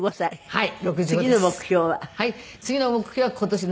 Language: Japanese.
はい。